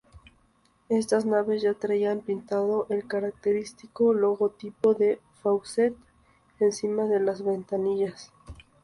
Estas naves ya traían pintado el característico logotipo de Faucett, encima de las ventanillas.